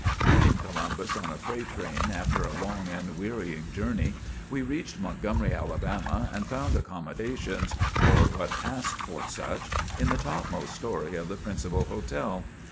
Leaving Columbus on a freight train, after a long and wearying journey we reached Montgomery, Alabama, and found accommodations, or what passed for such, in the topmost story of the principal hotel.